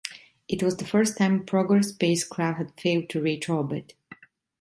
It was the first time a Progress spacecraft had failed to reach orbit.